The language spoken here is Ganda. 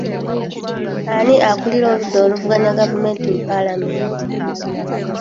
Ani akuulira oludda oluvuganya gavumenti mu paalamenti?